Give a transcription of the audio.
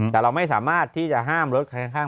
แต่เราไม่สามารถที่จะห้ามรถใครข้าง